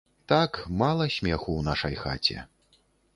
Так, мала смеху ў нашай хаце.